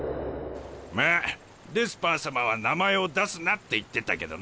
まあデスパー様は名前を出すなって言ってたけどな。